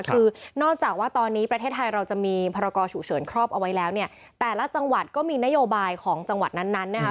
คือนอกจากว่าตอนนี้ประเทศไทยเราจะมีพรกรฉุกเฉินครอบเอาไว้แล้วเนี่ยแต่ละจังหวัดก็มีนโยบายของจังหวัดนั้นนะคะ